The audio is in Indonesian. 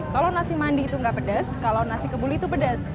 tolong nasi mandi itu nggak pedas kalau nasi kebuli itu pedas